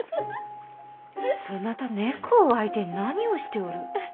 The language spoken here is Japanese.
そなた猫を相手に何をしておる。